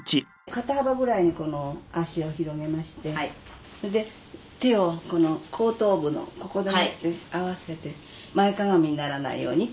肩幅ぐらいに足を広げましてそれで手をこの後頭部のここで持って合わせて前かがみにならないように。